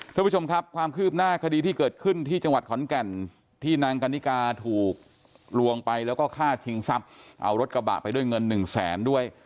ทุกผู้ชมครับความคืบหน้าคดีที่เกิดขึ้นที่จังหวัดขอนแก่นที่นางกันนิกาถูกลวงไปแล้วก็ฆ่าชิงทรัพย์เอารถกระบะไปด้วยเงินหนึ่งแสนด้วย